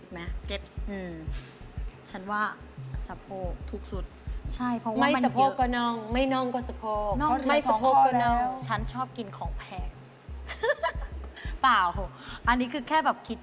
๒อย่างนี้มีอย่างเดียวเท่านั้นที่ถูกที่สุด